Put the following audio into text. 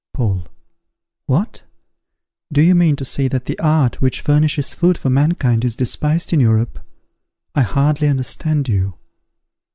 Paul. What! do you mean to say that the art which furnishes food for mankind is despised in Europe? I hardly understand you.